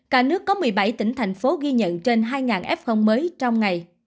cả nước có một mươi bảy tỉnh thành phố ghi nhận trên hai f mới trong ngày